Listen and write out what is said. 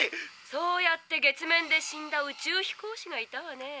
そうやって月面で死んだ宇宙飛行士がいたわね。